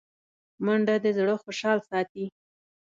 منډه د زړه خوشحال ساتي